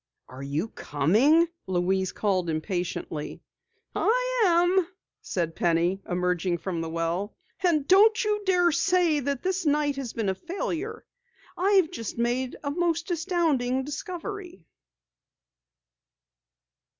"Are you coming?" Louise called impatiently. "I am," said Penny, emerging from the well. "And don't you dare say that this night has been a failure. I've just made a most astounding discovery!"